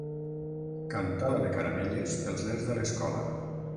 Cantada de caramelles pels nens de l'escola.